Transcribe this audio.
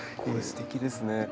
これすてきですね。